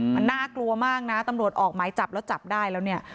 มันน่ากลัวมากนะตำรวจออกหมายจับแล้วจับได้แล้วเนี่ย